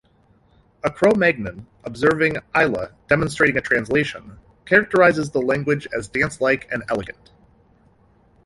A Cro-Magnon observing Ayla demonstrating a translation characterizes the language as dancelike and elegant.